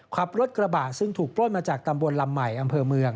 ขับรถกระบะซึ่งถูกปล้นมาจากตำบลลำใหม่อำเภอเมือง